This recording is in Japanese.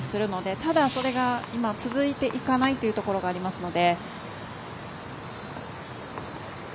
ただ、それが続いていかないというところがありますので。